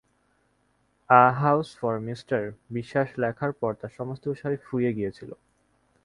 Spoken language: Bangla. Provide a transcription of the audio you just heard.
A house for mister Biswas লেখার পর তাঁর সমস্ত বিষয় ফুরিয়ে গিয়েছিল।